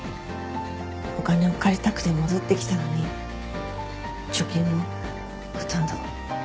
お金を借りたくて戻ってきたのに貯金もほとんどなさそうだし。